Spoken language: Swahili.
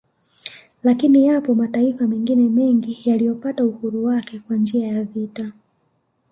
Lakini yapo mataifa mengine mengi yaliyopata uhuru wake kwa njia ya vita